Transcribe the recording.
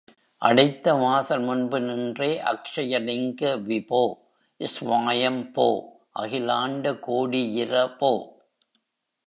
அடைத்த வாசல் முன்பு நின்றே, அக்ஷயலிங்க விபோ, ஸ்வாயம் போ, அகிலாண்ட கோடியிரபோ!